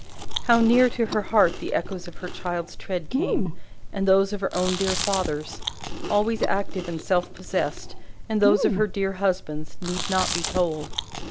How near to her heart the echoes of her child's tread came, and those of her own dear father's, always active and self possessed, and those of her dear husband's, need not be told.